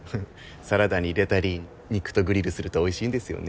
サラダに入れたり肉とグリルするとおいしいんですよね。